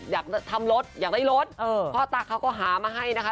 อยากทำรถอยากได้รถพ่อตาเขาก็หามาให้นะคะ